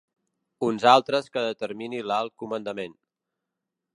Uns altres que determini l'Alt Comandament.